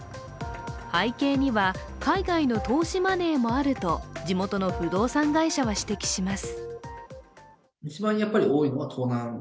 背景には、海外の投資マネーもあると地元の不動産会社は指摘します。